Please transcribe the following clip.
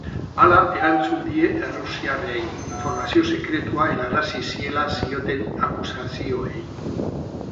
Hala erantzun die errusiarrei informazio sekretua helarazi ziela zioten akusazioei.